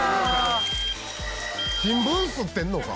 新聞刷ってんのか？